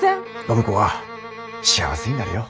暢子は幸せになれよ。